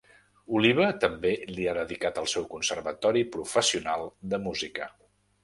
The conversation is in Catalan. Oliva també li ha dedicat el seu conservatori professional de música.